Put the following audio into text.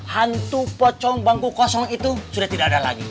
hantu pocong bangku kosong itu sudah tidak ada lagi